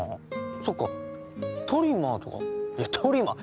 そっかトリマーとかいやトリマー。